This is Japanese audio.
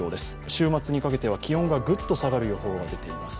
週末にかけては気温がぐっと下がる予報が出ています。